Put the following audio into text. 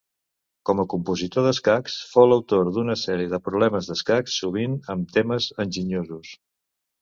Com a compositor d'escacs, fou l'autor d'una sèrie de problemes d'escacs, sovint amb temes enginyosos.